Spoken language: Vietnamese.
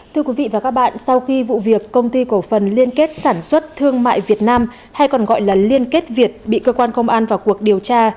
thưa quý vị và các bạn sau khi vụ việc công ty cổ phần liên kết sản xuất thương mại việt nam hay còn gọi là liên kết việt bị cơ quan công an vào cuộc điều tra